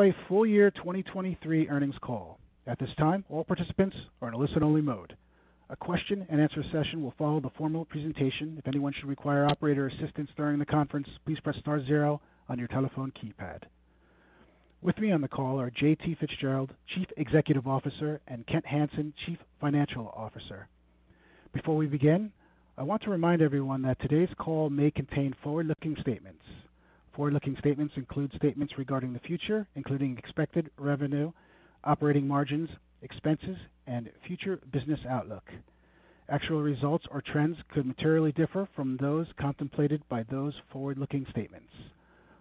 A full year 2023 earnings call. At this time, all participants are in a listen-only mode. A question-and-answer session will follow the formal presentation. If anyone should require operator assistance during the conference, please press star zero on your telephone keypad. With me on the call are J.T. Fitzgerald, Chief Executive Officer, and Kent Hansen, Chief Financial Officer. Before we begin, I want to remind everyone that today's call may contain forward-looking statements. Forward-looking statements include statements regarding the future, including expected revenue, operating margins, expenses, and future business outlook. Actual results or trends could materially differ from those contemplated by those forward-looking statements.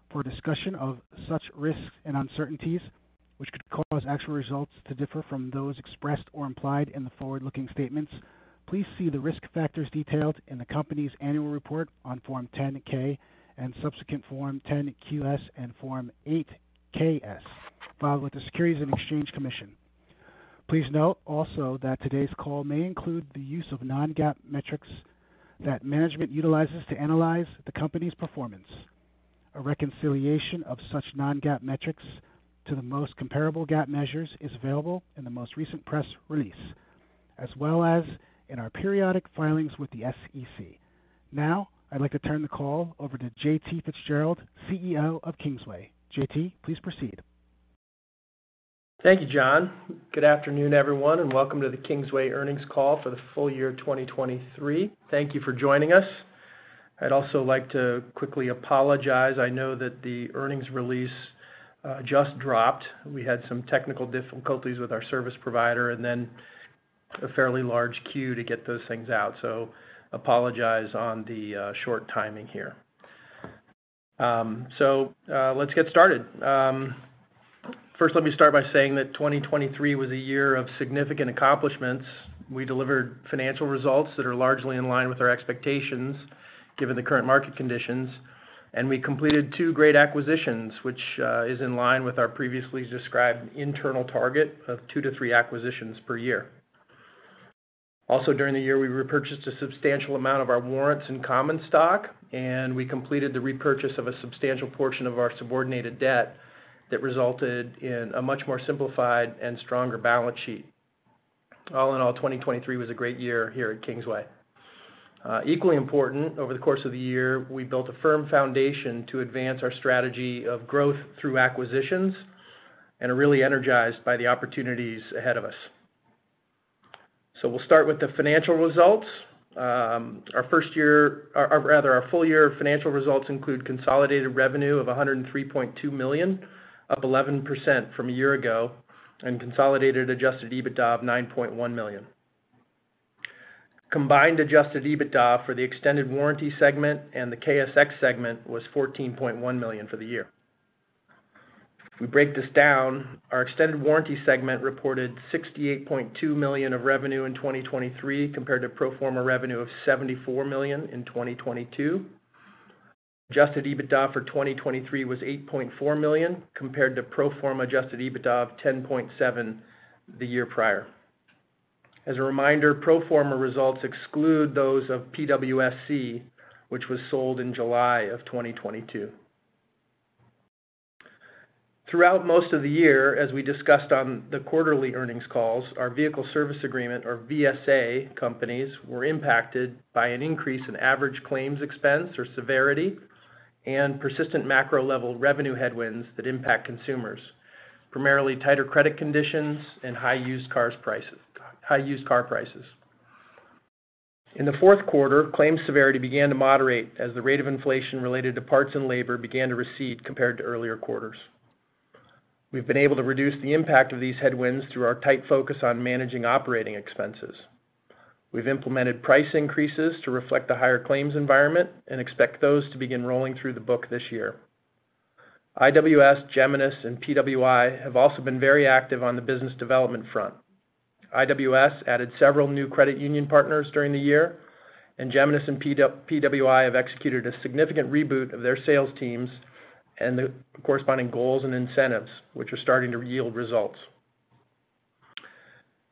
For a discussion of such risks and uncertainties, which could cause actual results to differ from those expressed or implied in the forward-looking statements, please see the risk factors detailed in the company's annual report on Form 10-K and subsequent Form 10-Qs and Form 8-Ks, filed with the Securities and Exchange Commission. Please note also that today's call may include the use of non-GAAP metrics that management utilizes to analyze the company's performance. A reconciliation of such non-GAAP metrics to the most comparable GAAP measures is available in the most recent press release, as well as in our periodic filings with the SEC. Now, I'd like to turn the call over to J.T. Fitzgerald, CEO of Kingsway. J.T., please proceed. Thank you, John. Good afternoon, everyone, and welcome to the Kingsway earnings call for the full year 2023. Thank you for joining us. I'd also like to quickly apologize. I know that the earnings release just dropped. We had some technical difficulties with our service provider and then a fairly large queue to get those things out, so apologize on the short timing here. Let's get started. First, let me start by saying that 2023 was a year of significant accomplishments. We delivered financial results that are largely in line with our expectations, given the current market conditions, and we completed two great acquisitions, which is in line with our previously described internal target of 2-3 acquisitions per year. Also, during the year, we repurchased a substantial amount of our warrants and common stock, and we completed the repurchase of a substantial portion of our subordinated debt that resulted in a much more simplified and stronger balance sheet. All in all, 2023 was a great year here at Kingsway. Equally important, over the course of the year, we built a firm foundation to advance our strategy of growth through acquisitions and are really energized by the opportunities ahead of us. So we'll start with the financial results. Our first year—or rather, our full year financial results include consolidated revenue of $103.2 million, up 11% from a year ago, and consolidated Adjusted EBITDA of $9.1 million. Combined Adjusted EBITDA for the extended warranty segment and the KSX segment was $14.1 million for the year. We break this down. Our extended warranty segment reported $68.2 million of revenue in 2023, compared to pro forma revenue of $74 million in 2022. Adjusted EBITDA for 2023 was $8.4 million, compared to pro forma adjusted EBITDA of $10.7 million the year prior. As a reminder, pro forma results exclude those of PWSC, which was sold in July of 2022. Throughout most of the year, as we discussed on the quarterly earnings calls, our vehicle service agreement, or VSA companies, were impacted by an increase in average claims expense or severity and persistent macro-level revenue headwinds that impact consumers, primarily tighter credit conditions and high used cars prices - high used car prices. In the fourth quarter, claims severity began to moderate as the rate of inflation related to parts and labor began to recede compared to earlier quarters. We've been able to reduce the impact of these headwinds through our tight focus on managing operating expenses. We've implemented price increases to reflect the higher claims environment and expect those to begin rolling through the book this year. IWS, Geminus, and PWI have also been very active on the business development front. IWS added several new credit union partners during the year, and Geminus and PWI have executed a significant reboot of their sales teams and the corresponding goals and incentives, which are starting to yield results.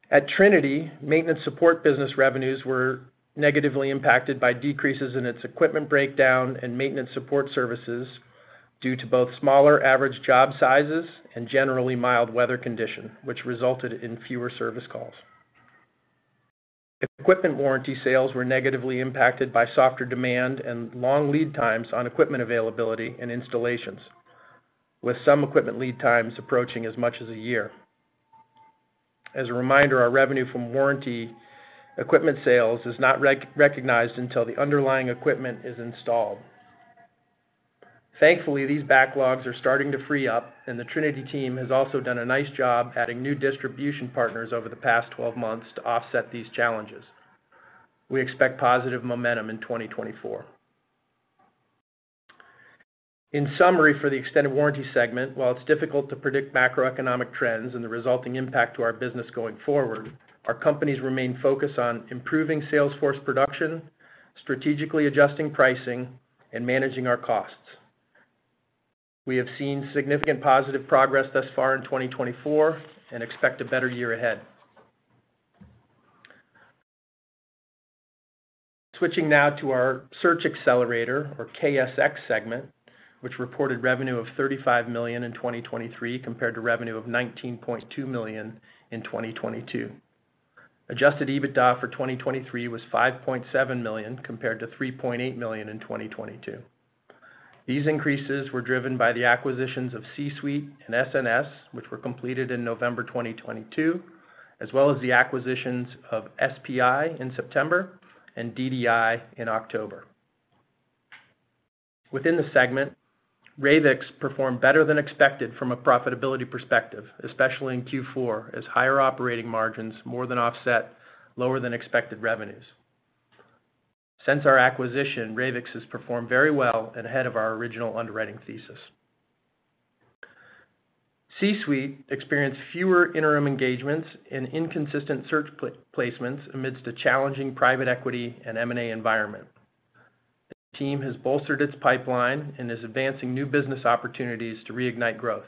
At Trinity, maintenance support business revenues were negatively impacted by decreases in its equipment breakdown and maintenance support services due to both smaller average job sizes and generally mild weather condition, which resulted in fewer service calls. Equipment warranty sales were negatively impacted by softer demand and long lead times on equipment availability and installations, with some equipment lead times approaching as much as a year. As a reminder, our revenue from warranty equipment sales is not recognized until the underlying equipment is installed. Thankfully, these backlogs are starting to free up, and the Trinity team has also done a nice job adding new distribution partners over the past 12 months to offset these challenges. We expect positive momentum in 2024. In summary, for the extended warranty segment, while it's difficult to predict macroeconomic trends and the resulting impact to our business going forward, our companies remain focused on improving sales force production, strategically adjusting pricing, and managing our costs. We have seen significant positive progress thus far in 2024 and expect a better year ahead. Switching now to our Search Xcelerator or KSX segment, which reported revenue of $35 million in 2023, compared to revenue of $19.2 million in 2022. Adjusted EBITDA for 2023 was $5.7 million, compared to $3.8 million in 2022. These increases were driven by the acquisitions of C-Suite and SNS, which were completed in November 2022, as well as the acquisitions of SPI in September and DDI in October. Within the segment, Ravix performed better than expected from a profitability perspective, especially in Q4, as higher operating margins more than offset lower than expected revenues. Since our acquisition, Ravix has performed very well and ahead of our original underwriting thesis. C-Suite experienced fewer interim engagements and inconsistent search placements amidst a challenging private equity and M&A environment. The team has bolstered its pipeline and is advancing new business opportunities to reignite growth.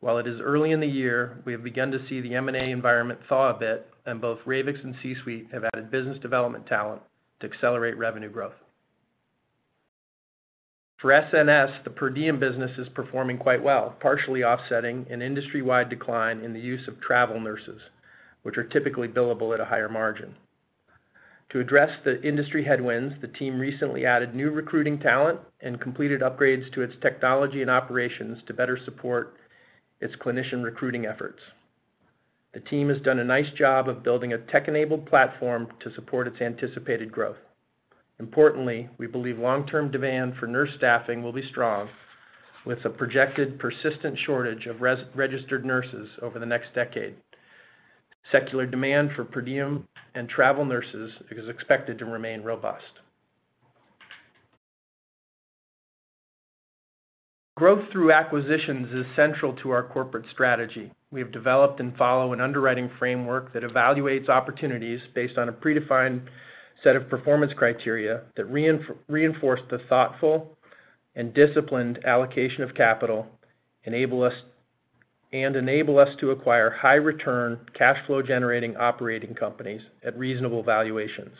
While it is early in the year, we have begun to see the M&A environment thaw a bit, and both Ravix and C-Suite have added business development talent to accelerate revenue growth. For SNS, the per diem business is performing quite well, partially offsetting an industry-wide decline in the use of travel nurses, which are typically billable at a higher margin. To address the industry headwinds, the team recently added new recruiting talent and completed upgrades to its technology and operations to better support its clinician recruiting efforts. The team has done a nice job of building a tech-enabled platform to support its anticipated growth. Importantly, we believe long-term demand for nurse staffing will be strong, with a projected persistent shortage of registered nurses over the next decade. Secular demand for per diem and travel nurses is expected to remain robust. Growth through acquisitions is central to our corporate strategy. We have developed and follow an underwriting framework that evaluates opportunities based on a predefined set of performance criteria that reinforce the thoughtful and disciplined allocation of capital, enable us to acquire high return, cash flow generating operating companies at reasonable valuations.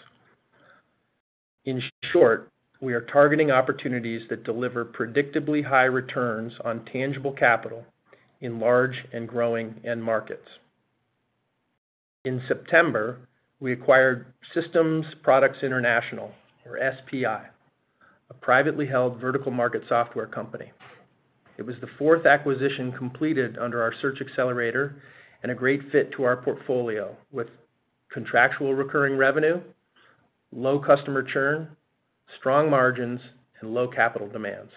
In short, we are targeting opportunities that deliver predictably high returns on tangible capital in large and growing end markets. In September, we acquired Systems Products International or SPI, a privately held vertical market software company. It was the fourth acquisition completed under our Search Xcelerator and a great fit to our portfolio, with contractual recurring revenue, low customer churn, strong margins, and low capital demands.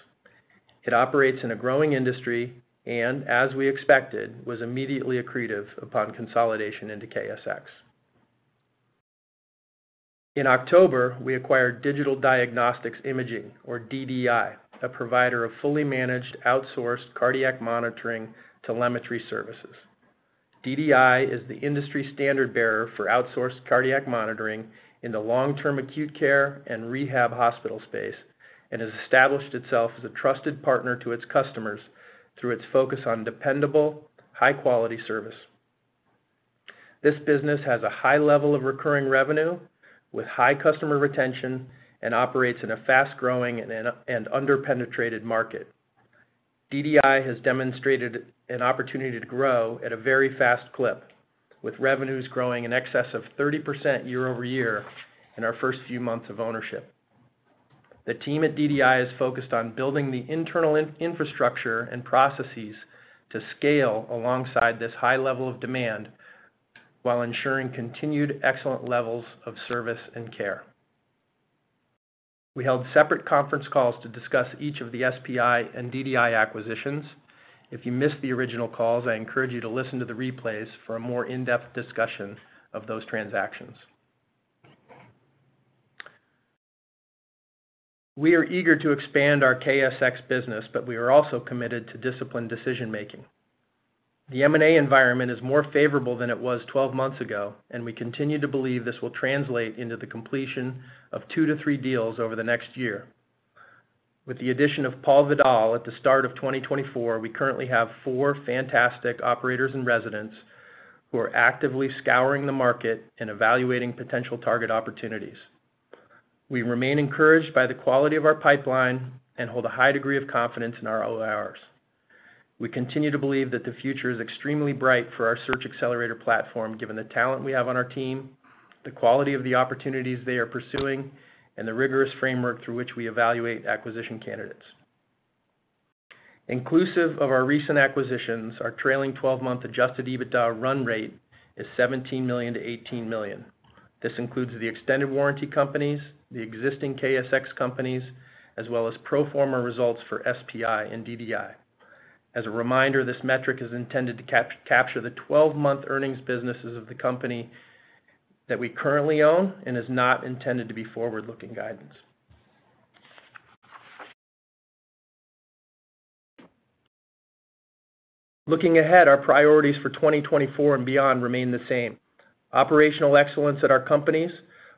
It operates in a growing industry and, as we expected, was immediately accretive upon consolidation into KSX. In October, we acquired Digital Diagnostics Imaging, or DDI, a provider of fully managed outsourced cardiac monitoring telemetry services. DDI is the industry standard bearer for outsourced cardiac monitoring in the long-term acute care and rehab hospital space, and has established itself as a trusted partner to its customers through its focus on dependable, high-quality service. This business has a high level of recurring revenue, with high customer retention and operates in a fast-growing and under-penetrated market. DDI has demonstrated an opportunity to grow at a very fast clip, with revenues growing in excess of 30% year-over-year in our first few months of ownership. The team at DDI is focused on building the internal infrastructure and processes to scale alongside this high level of demand while ensuring continued excellent levels of service and care. We held separate conference calls to discuss each of the SPI and DDI acquisitions. If you missed the original calls, I encourage you to listen to the replays for a more in-depth discussion of those transactions. We are eager to expand our KSX business, but we are also committed to disciplined decision-making. The M&A environment is more favorable than it was 12 months ago, and we continue to believe this will translate into the completion of 2-3 deals over the next year. With the addition of Paul Vidal at the start of 2024, we currently have 4 fantastic Operators-in-Residence who are actively scouring the market and evaluating potential target opportunities. We remain encouraged by the quality of our pipeline and hold a high degree of confidence in our OIRs. We continue to believe that the future is extremely bright for our Search Xcelerator platform, given the talent we have on our team, the quality of the opportunities they are pursuing, and the rigorous framework through which we evaluate acquisition candidates. Inclusive of our recent acquisitions, our trailing twelve-month Adjusted EBITDA run rate is $17 million-$18 million. This includes the extended warranty companies, the existing KSX companies, as well as pro forma results for SPI and DDI. As a reminder, this metric is intended to capture the twelve-month earnings businesses of the company that we currently own and is not intended to be forward-looking guidance. Looking ahead, our priorities for 2024 and beyond remain the same. Operational excellence at our companies,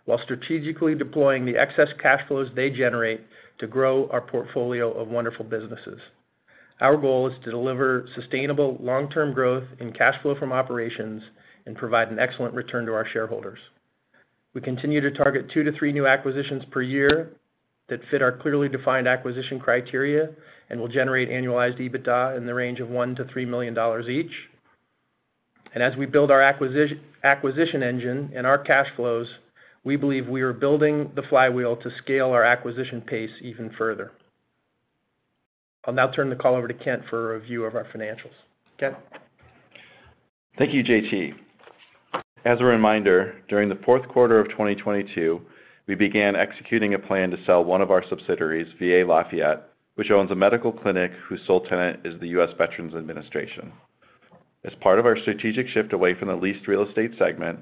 while strategically deploying the excess cash flows they generate to grow our portfolio of wonderful businesses. Our goal is to deliver sustainable long-term growth and cash flow from operations and provide an excellent return to our shareholders. We continue to target 2-3 new acquisitions per year that fit our clearly defined acquisition criteria and will generate annualized EBITDA in the range of $1 million-$3 million each. And as we build our acquisition, acquisition engine and our cash flows, we believe we are building the flywheel to scale our acquisition pace even further. I'll now turn the call over to Kent for a review of our financials. Kent? Thank you, J.T. As a reminder, during the fourth quarter of 2022, we began executing a plan to sell one of our subsidiaries, VA Lafayette, which owns a medical clinic whose sole tenant is the U.S. Veterans Administration. As part of our strategic shift away from the leased real estate segment,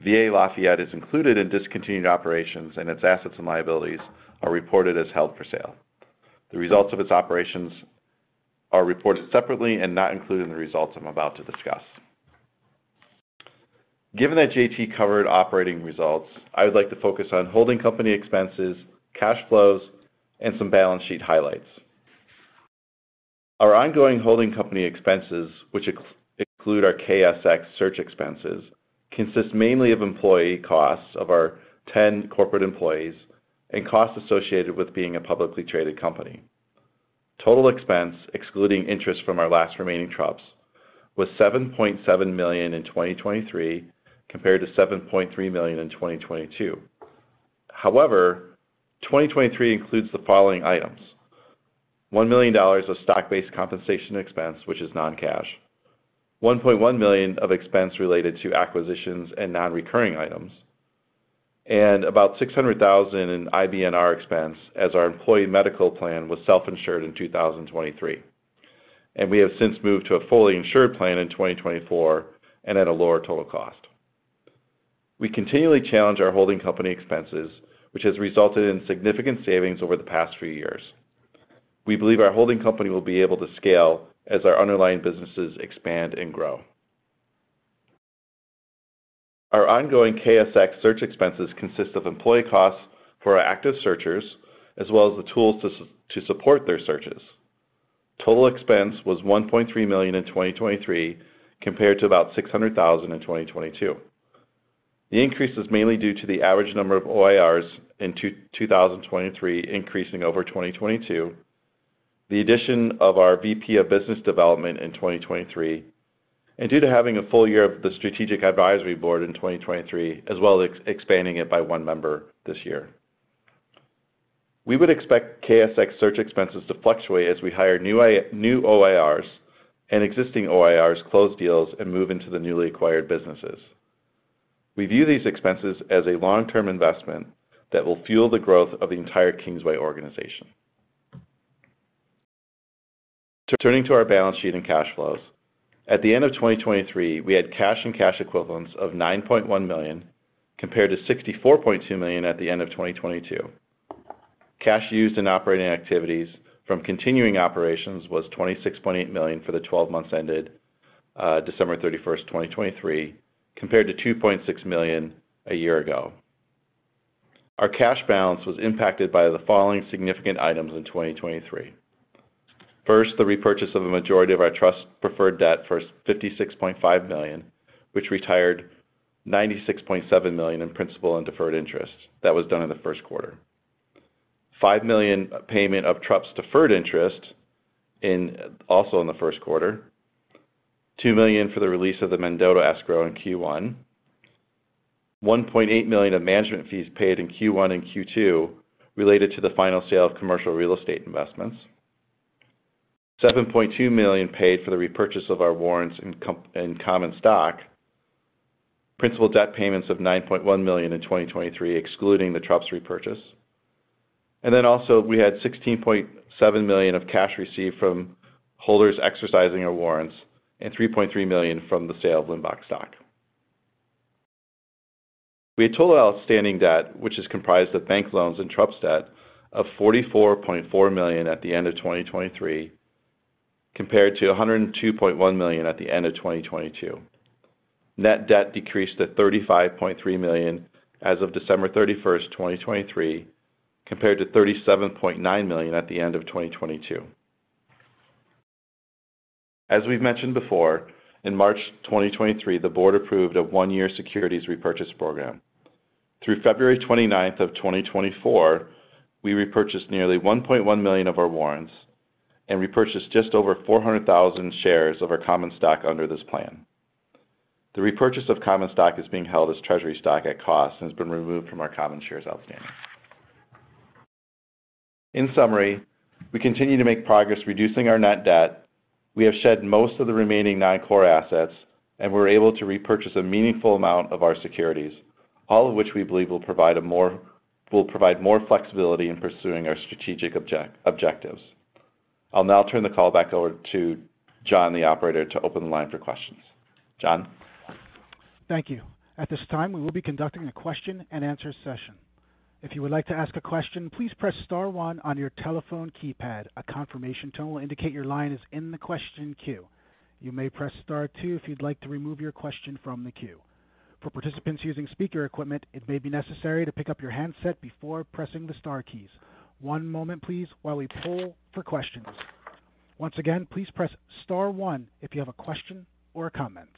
VA Lafayette is included in discontinued operations, and its assets and liabilities are reported as held for sale. The results of its operations are reported separately and not included in the results I'm about to discuss. Given that J.T. covered operating results, I would like to focus on holding company expenses, cash flows, and some balance sheet highlights. Our ongoing holding company expenses, which include our KSX Search expenses, consist mainly of employee costs of our 10 corporate employees and costs associated with being a publicly traded company. Total expense, excluding interest from our last remaining TruPS, was $7.7 million in 2023, compared to $7.3 million in 2022. However, 2023 includes the following items: $1 million of stock-based compensation expense, which is non-cash, $1.1 million of expense related to acquisitions and non-recurring items, and about $600,000 in IBNR expense, as our employee medical plan was self-insured in 2023, and we have since moved to a fully insured plan in 2024 and at a lower total cost. We continually challenge our holding company expenses, which has resulted in significant savings over the past few years. We believe our holding company will be able to scale as our underlying businesses expand and grow. Our ongoing KSX Search expenses consist of employee costs for our active searchers, as well as the tools to support their searches. Total expense was $1.3 million in 2023, compared to about $600,000 in 2022. The increase is mainly due to the average number of OIRs in 2023, increasing over 2022, the addition of our VP of Business Development in 2023, and due to having a full year of the Strategic Advisory Board in 2023, as well as expanding it by one member this year. We would expect KSX Search expenses to fluctuate as we hire new OIRs and existing OIRs, close deals, and move into the newly acquired businesses. We view these expenses as a long-term investment that will fuel the growth of the entire Kingsway organization. Turning to our balance sheet and cash flows. At the end of 2023, we had cash and cash equivalents of $9.1 million, compared to $64.2 million at the end of 2022. Cash used in operating activities from continuing operations was $26.8 million for the twelve months ended December 31, 2023, compared to $2.6 million a year ago. Our cash balance was impacted by the following significant items in 2023. First, the repurchase of the majority of our trust preferred debt for $56.5 million, which retired $96.7 million in principal and deferred interest. That was done in the first quarter. $5 million payment of TruPS deferred interest in, also in the first quarter, $2 million for the release of the Mendota escrow in Q1, $1.8 million of management fees paid in Q1 and Q2 related to the final sale of commercial real estate investments, $7.2 million paid for the repurchase of our warrants in common stock, principal debt payments of $9.1 million in 2023, excluding the TruPS repurchase. We had $16.7 million of cash received from holders exercising our warrants and $3.3 million from the sale of Limbach stock. We had total outstanding debt, which is comprised of bank loans and TruPS debt of $44.4 million at the end of 2023, compared to $102.1 million at the end of 2022. Net debt decreased to $35.3 million as of December 31, 2023, compared to $37.9 million at the end of 2022. As we've mentioned before, in March 2023, the Board approved a one-year securities repurchase program. Through February 29, 2024, we repurchased nearly 1.1 million of our warrants and repurchased just over 400,000 shares of our common stock under this plan. The repurchase of common stock is being held as treasury stock at cost and has been removed from our common shares outstanding. In summary, we continue to make progress reducing our net debt. We have shed most of the remaining nine core assets, and we're able to repurchase a meaningful amount of our securities, all of which we believe will provide more flexibility in pursuing our strategic objectives. I'll now turn the call back over to John, the operator, to open the line for questions. John? Thank you. At this time, we will be conducting a question-and-answer session. If you would like to ask a question, please press star one on your telephone keypad. A confirmation tone will indicate your line is in the question queue. You may press Star two if you'd like to remove your question from the queue. For participants using speaker equipment, it may be necessary to pick up your handset before pressing the star keys. One moment please, while we poll for questions. Once again, please press star one if you have a question or a comment.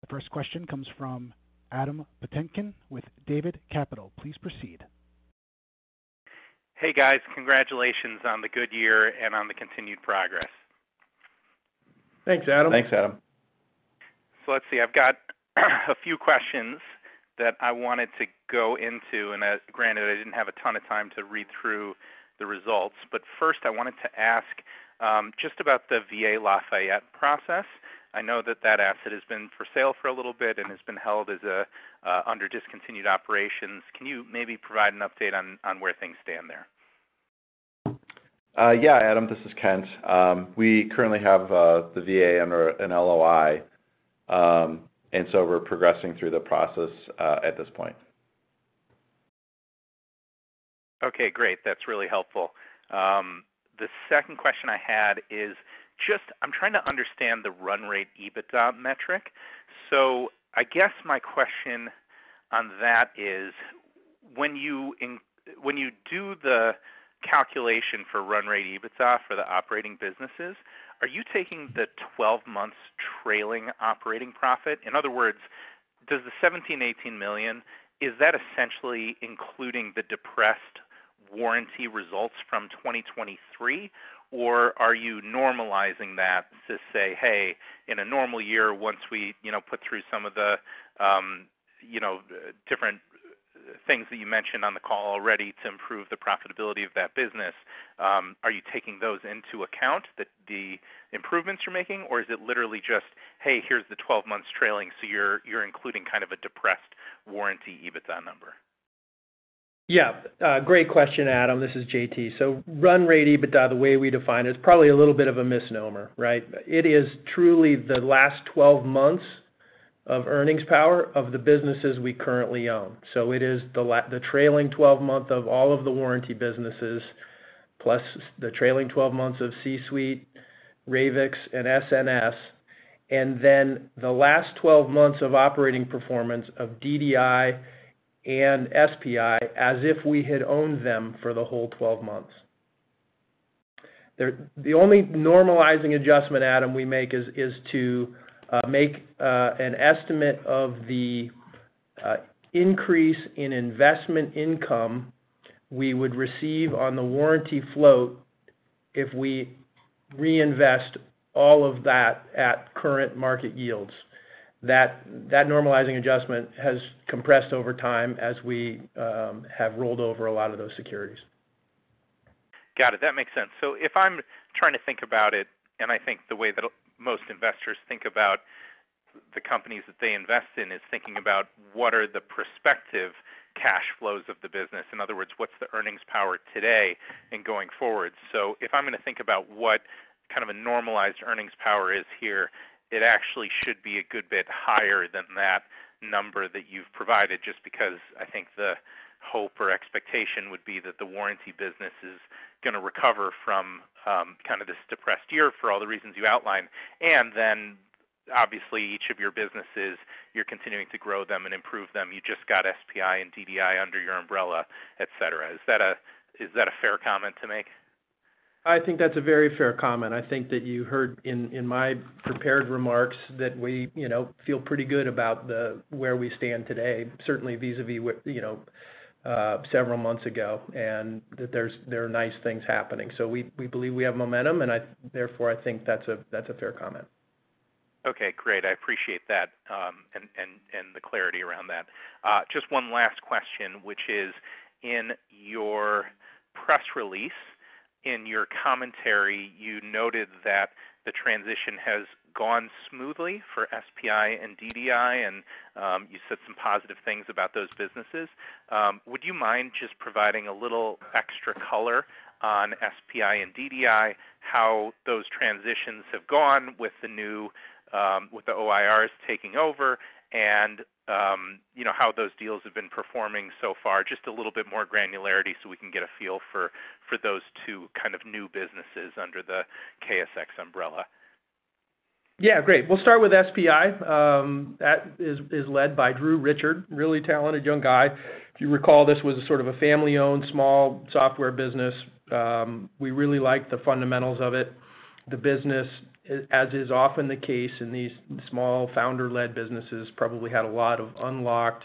The first question comes from Adam Patinkin with David Capital. Please proceed. Hey, guys. Congratulations on the good year and on the continued progress. Thanks, Adam. Thanks, Adam. So let's see, I've got a few questions that I wanted to go into, and as—granted, I didn't have a ton of time to read through the results. But first, I wanted to ask just about the VA Lafayette process. I know that that asset has been for sale for a little bit and has been held as a under discontinued operations. Can you maybe provide an update on where things stand there? Yeah, Adam, this is Kent. We currently have the VA under an LOI, and so we're progressing through the process at this point. Okay, great. That's really helpful. The second question I had is, just I'm trying to understand the run rate EBITDA metric. So I guess my question on that is, when you do the calculation for run rate EBITDA for the operating businesses, are you taking the 12 months trailing operating profit? In other words, does the $17 million-$18 million, is that essentially including the depressed warranty results from 2023? Or are you normalizing that to say, "Hey, in a normal year, once we, you know, put through some of the, you know, different things that you mentioned on the call already to improve the profitability of that business," are you taking those into account, that the improvements you're making, or is it literally just, "Hey, here's the 12 months trailing," so you're including kind of a depressed warranty EBITDA number? Yeah, great question, Adam. This is J.T. So run rate EBITDA, the way we define it, is probably a little bit of a misnomer, right? It is truly the last 12 months of earnings power of the businesses we currently own. So it is the trailing 12 months of all of the warranty businesses, plus the trailing 12 months of C-Suite, Ravix, and SNS, and then the last 12 months of operating performance of DDI and SPI, as if we had owned them for the whole 12 months. The only normalizing adjustment, Adam, we make is to make an estimate of the increase in investment income we would receive on the warranty float if we reinvest all of that at current market yields. That normalizing adjustment has compressed over time as we have rolled over a lot of those securities. Got it. That makes sense. So if I'm trying to think about it, and I think the way that most investors think about the companies that they invest in, is thinking about what are the prospective cash flows of the business. In other words, what's the earnings power today and going forward? So if I'm gonna think about what kind of a normalized earnings power is here, it actually should be a good bit higher than that number that you've provided, just because I think the hope or expectation would be that the warranty business is gonna recover from kind of this depressed year for all the reasons you outlined. And then, obviously, each of your businesses, you're continuing to grow them and improve them. You just got SPI and DDI under your umbrella, et cetera. Is that a, is that a fair comment to make? I think that's a very fair comment. I think that you heard in my prepared remarks that we, you know, feel pretty good about the where we stand today, certainly vis-a-vis with, you know, several months ago, and that there are nice things happening. So we, we believe we have momentum, and therefore, I think that's a fair comment. Okay, great. I appreciate that, and the clarity around that. Just one last question, which is, in your press release, in your commentary, you noted that the transition has gone smoothly for SPI and DDI, and you said some positive things about those businesses. Would you mind just providing a little extra color on SPI and DDI, how those transitions have gone with the new OIRs taking over, and you know, how those deals have been performing so far? Just a little bit more granularity so we can get a feel for those two kind of new businesses under the KSX umbrella. Yeah, great. We'll start with SPI. That is led by Drew Richard, really talented young guy. If you recall, this was sort of a family-owned, small software business. We really liked the fundamentals of it. The business, as is often the case in these small founder-led businesses, probably had a lot of unlocked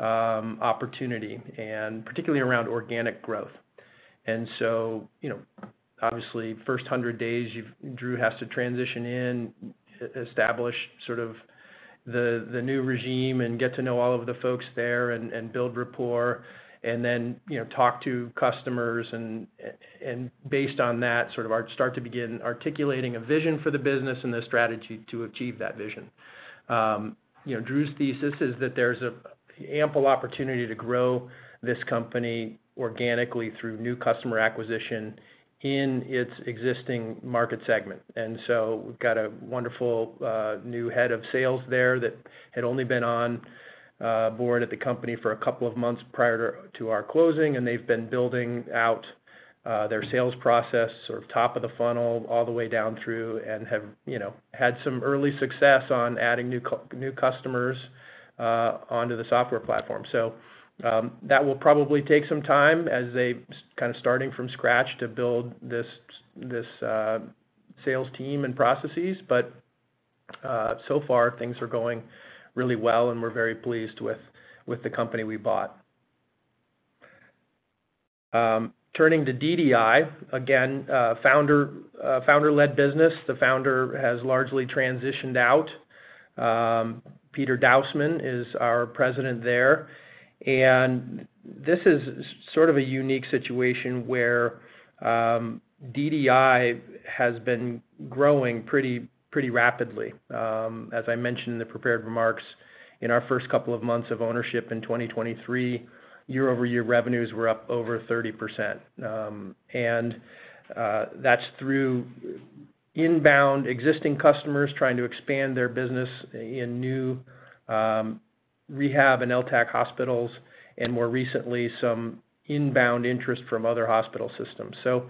opportunity, and particularly around organic growth. And so, you know, obviously, first 100 days, Drew has to transition in, establish sort of the new regime and get to know all of the folks there and build rapport, and then, you know, talk to customers. And based on that, sort of start to begin articulating a vision for the business and the strategy to achieve that vision. You know, Drew's thesis is that there's an ample opportunity to grow this company organically through new customer acquisition in its existing market segment. And so we've got a wonderful new head of sales there that had only been on Board at the company for a couple of months prior to our closing, and they've been building out their sales process sort of top of the funnel all the way down through and have, you know, had some early success on adding new customers onto the software platform. So, that will probably take some time as they've kind of starting from scratch to build this sales team and processes, but so far, things are going really well, and we're very pleased with the company we bought. Turning to DDI, again, founder-led business. The founder has largely transitioned out. Peter Dousman is our president there, and this is sort of a unique situation where, DDI has been growing pretty, pretty rapidly. As I mentioned in the prepared remarks, in our first couple of months of ownership in 2023, year-over-year revenues were up over 30%. And, that's through inbound existing customers trying to expand their business in new, rehab and LTAC hospitals, and more recently, some inbound interest from other hospital systems. So,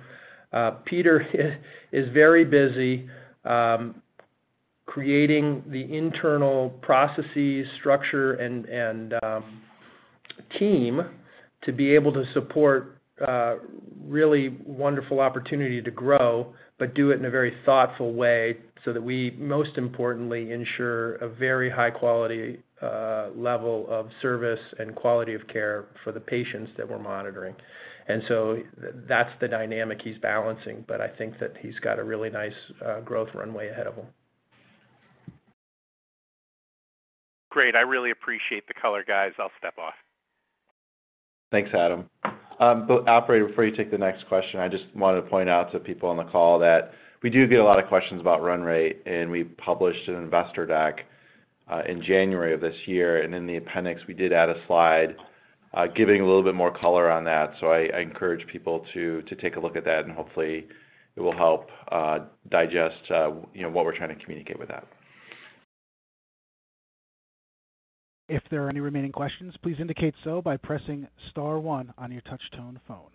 Peter is very busy, creating the internal processes, structure, and, and, team to be able to support, really wonderful opportunity to grow, but do it in a very thoughtful way so that we most importantly ensure a very high quality, level of service and quality of care for the patients that we're monitoring. So that's the dynamic he's balancing, but I think that he's got a really nice growth runway ahead of him. Great. I really appreciate the color, guys. I'll step off. Thanks, Adam. But operator, before you take the next question, I just wanted to point out to people on the call that we do get a lot of questions about run rate, and we published an investor deck in January of this year, and in the appendix, we did add a slide giving a little bit more color on that. So I encourage people to take a look at that, and hopefully it will help digest you know what we're trying to communicate with that. If there are any remaining questions, please indicate so by pressing star one on your touch-tone phone.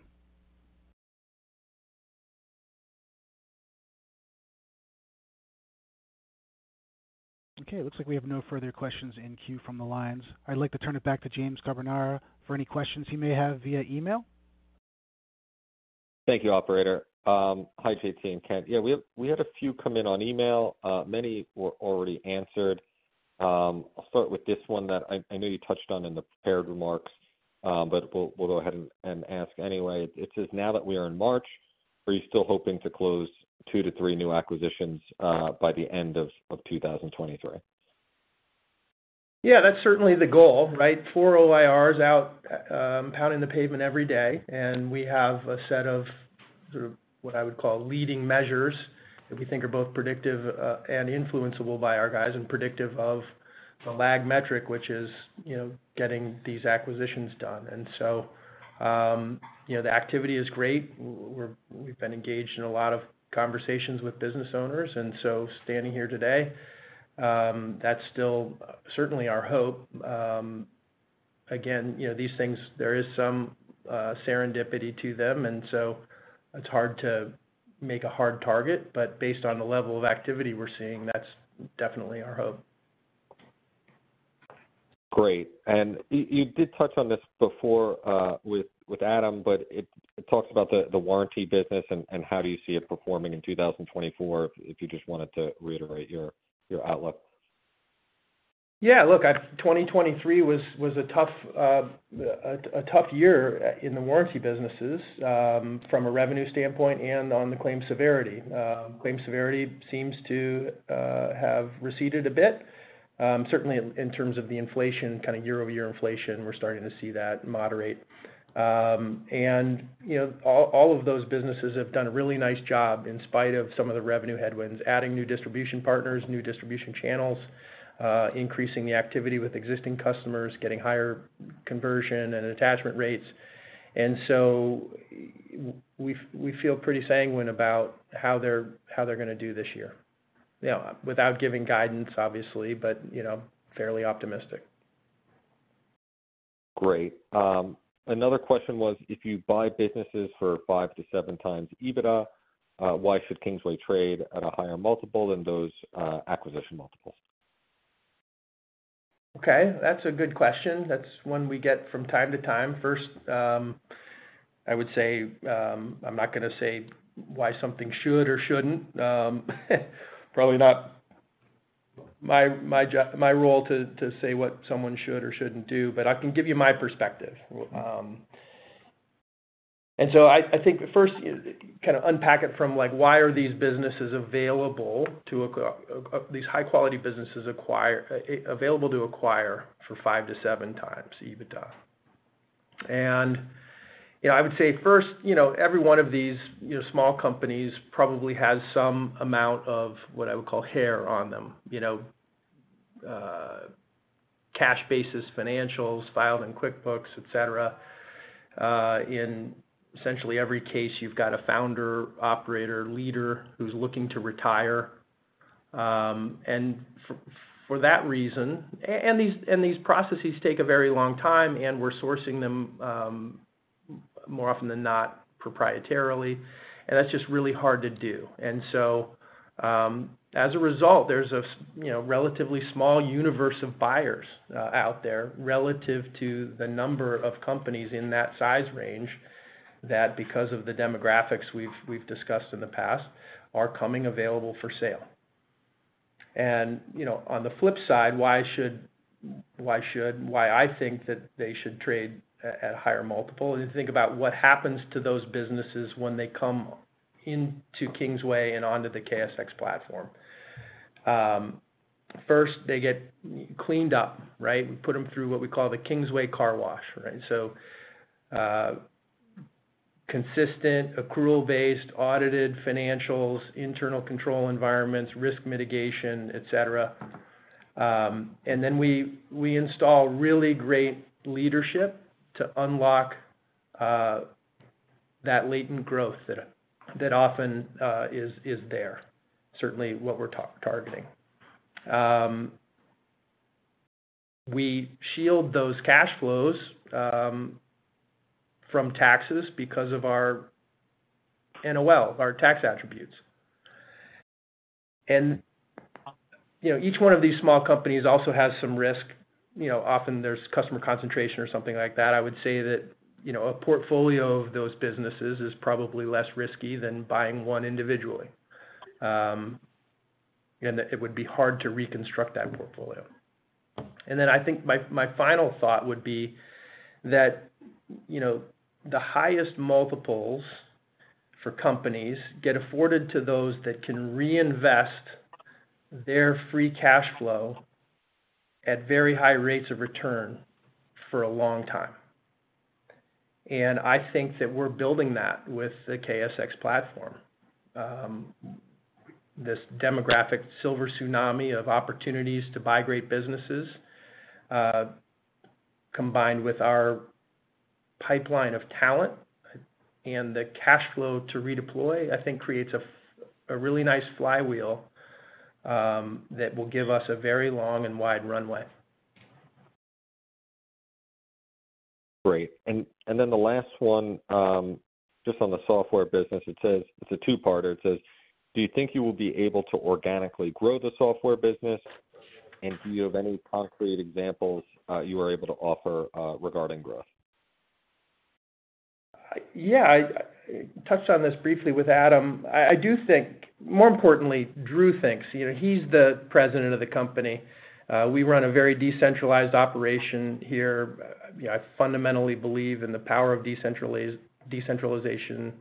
Okay, it looks like we have no further questions in queue from the lines. I'd like to turn it back to James Carbonara for any questions he may have via email. Thank you, operator. Hi, J.T. and Kent. Yeah, we had a few come in on email. Many were already answered. I'll start with this one that I know you touched on in the prepared remarks, but we'll go ahead and ask anyway. It says, "Now that we are in March, are you still hoping to close 2-3 new acquisitions by the end of 2023? Yeah, that's certainly the goal, right? Four OIRs out, pounding the pavement every day, and we have a set of sort of what I would call leading measures that we think are both predictive, and influencable by our guys, and predictive of the lag metric, which is, you know, getting these acquisitions done. And so, you know, the activity is great. We've been engaged in a lot of conversations with business owners, and so standing here today, that's still certainly our hope. Again, you know, these things, there is some serendipity to them, and so it's hard to make a hard target, but based on the level of activity we're seeing, that's definitely our hope. Great. You did touch on this before with Adam, but it talks about the warranty business and how do you see it performing in 2024, if you just wanted to reiterate your outlook? Yeah, look, 2023 was a tough year in the warranty businesses from a revenue standpoint and on the claim severity. Claim severity seems to have receded a bit, certainly in terms of the inflation, kind of year-over-year inflation, we're starting to see that moderate. And, you know, all of those businesses have done a really nice job in spite of some of the revenue headwinds, adding new distribution partners, new distribution channels, increasing the activity with existing customers, getting higher conversion and attachment rates. And so we feel pretty sanguine about how they're gonna do this year. You know, without giving guidance, obviously, but, you know, fairly optimistic. Great. Another question was: If you buy businesses for 5-7x EBITDA, why should Kingsway trade at a higher multiple than those acquisition multiples? Okay, that's a good question. That's one we get from time to time. First, I would say, I'm not gonna say why something should or shouldn't. Probably not my role to say what someone should or shouldn't do, but I can give you my perspective. And so I think first, kinda unpack it from like, why are these high-quality businesses available to acquire for 5-7x EBITDA? And, you know, I would say first, you know, every one of these, you know, small companies probably has some amount of what I would call hair on them. You know, cash basis, financials, filed in QuickBooks, et cetera. In essentially every case, you've got a founder, operator, leader who's looking to retire. For that reason, and these processes take a very long time, and we're sourcing them more often than not proprietarily, and that's just really hard to do. And so, as a result, there's a, you know, relatively small universe of buyers out there, relative to the number of companies in that size range, that because of the demographics we've discussed in the past, are coming available for sale. And, you know, on the flip side, why I think that they should trade at higher multiple, and think about what happens to those businesses when they come into Kingsway and onto the KSX platform. First, they get cleaned up, right? We put them through what we call the Kingsway car wash, right? So, consistent, accrual-based, audited financials, internal control environments, risk mitigation, et cetera. And then we install really great leadership to unlock that latent growth that often is there, certainly what we're targeting. We shield those cash flows from taxes because of our NOL, our tax attributes. And, you know, each one of these small companies also has some risk. You know, often there's customer concentration or something like that. I would say that, you know, a portfolio of those businesses is probably less risky than buying one individually. And that it would be hard to reconstruct that portfolio. And then I think my final thought would be that, you know, the highest multiples for companies get afforded to those that can reinvest their free cash flow at very high rates of return for a long time. I think that we're building that with the KSX platform. This demographic silver tsunami of opportunities to buy great businesses, combined with our pipeline of talent and the cash flow to redeploy, I think creates a really nice flywheel that will give us a very long and wide runway. Great. And then the last one, just on the software business, it says, it's a two-parter. It says: "Do you think you will be able to organically grow the software business? And do you have any concrete examples you are able to offer regarding growth? Yeah, I touched on this briefly with Adam. I do think, more importantly, Drew thinks, you know, he's the president of the company. We run a very decentralized operation here. You know, I fundamentally believe in the power of decentralization,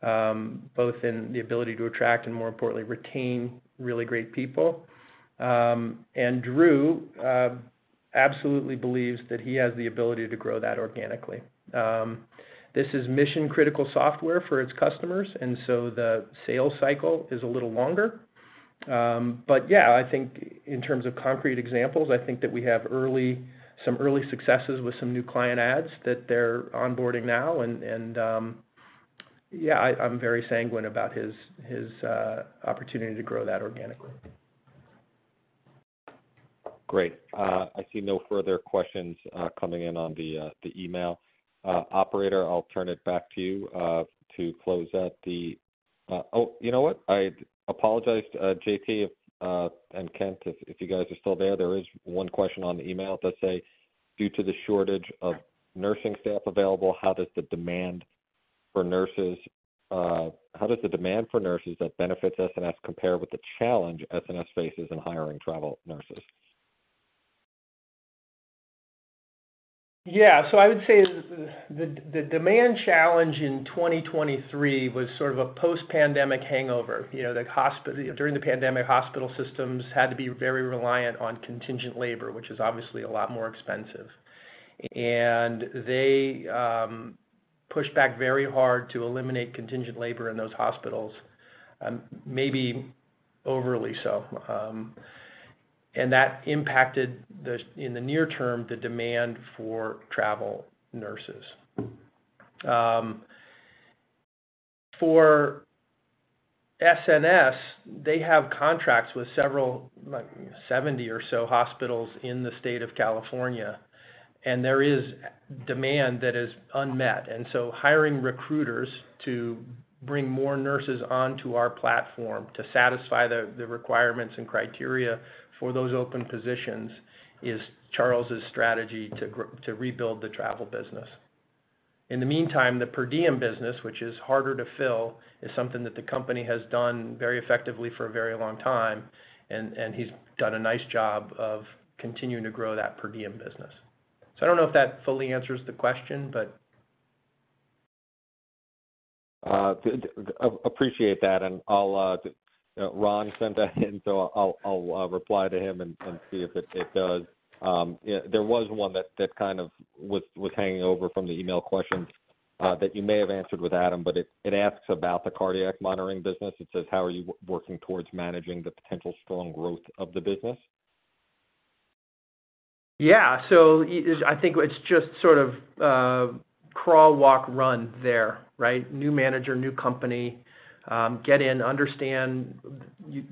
both in the ability to attract, and more importantly, retain really great people. And Drew absolutely believes that he has the ability to grow that organically. This is mission-critical software for its customers, and so the sales cycle is a little longer. But yeah, I think in terms of concrete examples, I think that we have some early successes with some new client adds that they're onboarding now. Yeah, I'm very sanguine about his opportunity to grow that organically. Great. I see no further questions coming in on the email. Operator, I'll turn it back to you to close out the. Oh, you know what? I apologize, J.T. and Kent, if you guys are still there, there is one question on the email that say, "Due to the shortage of nursing staff available, how does the demand for nurses, how does the demand for nurses that benefits SNS compare with the challenge SNS faces in hiring travel nurses? Yeah. So I would say the demand challenge in 2023 was sort of a post-pandemic hangover. You know, during the pandemic, hospital systems had to be very reliant on contingent labor, which is obviously a lot more expensive. And they pushed back very hard to eliminate contingent labor in those hospitals, maybe overly so. And that impacted, in the near term, the demand for travel nurses. For SNS, they have contracts with several, like 70 or so, hospitals in the state of California, and there is demand that is unmet. And so hiring recruiters to bring more nurses onto our platform to satisfy the requirements and criteria for those open positions is Charles' strategy to rebuild the travel business. In the meantime, the per diem business, which is harder to fill, is something that the company has done very effectively for a very long time, and he's done a nice job of continuing to grow that per diem business. So I don't know if that fully answers the question, but. Good. Appreciate that, and I'll, you know, Ron sent that in, so I'll reply to him and see if it does. Yeah, there was one that kind of was hanging over from the email questions, that you may have answered with Adam, but it asks about the cardiac monitoring business. It says, "How are you working towards managing the potential strong growth of the business? Yeah. So I think it's just sort of, crawl, walk, run there, right? New manager, new company, get in, understand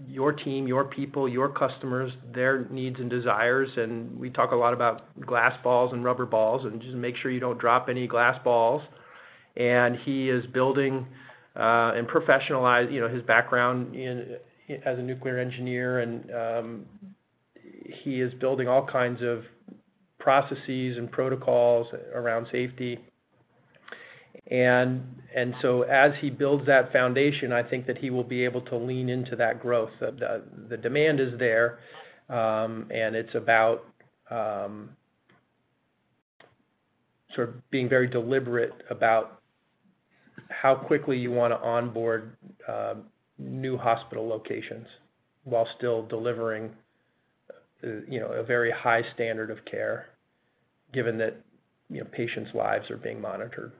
your team, your people, your customers, their needs and desires, and we talk a lot about glass balls and rubber balls, and just make sure you don't drop any glass balls. And he is building, and professionalize, you know, his background in as a nuclear engineer, and he is building all kinds of processes and protocols around safety. And so as he builds that foundation, I think that he will be able to lean into that growth. The demand is there, and it's about sort of being very deliberate about how quickly you want to onboard new hospital locations while still delivering, you know, a very high standard of care, given that, you know, patients' lives are being monitored.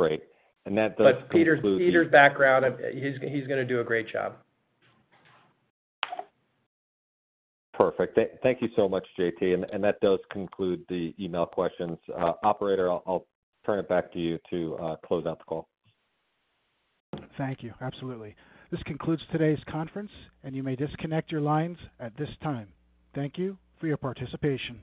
Great. That does conclude- Peter, Peter's background, he's gonna do a great job. Perfect. Thank you so much, J.T.. And that does conclude the email questions. Operator, I'll turn it back to you to close out the call. Thank you. Absolutely. This concludes today's conference, and you may disconnect your lines at this time. Thank you for your participation.